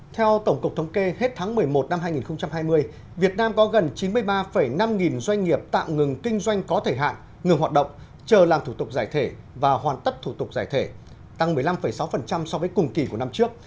theo tổng cục thống kê hết tháng một mươi một năm hai nghìn hai mươi việt nam có gần chín mươi ba năm nghìn doanh nghiệp tạm ngừng kinh doanh có thời hạn ngừng hoạt động chờ làm thủ tục giải thể và hoàn tất thủ tục giải thể tăng một mươi năm sáu so với cùng kỳ của năm trước